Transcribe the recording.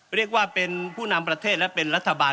เรียกว่าเป็นผู้นำประเทศและเป็นรัฐบาล